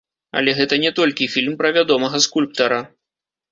Але гэта не толькі фільм пра вядомага скульптара.